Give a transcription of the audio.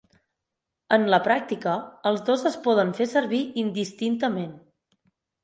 En la pràctica, els dos es poden fer servir indistintament.